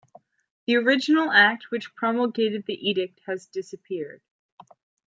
The original Act which promulgated the Edict has disappeared.